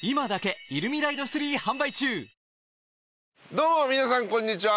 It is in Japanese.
どうも皆さんこんにちは。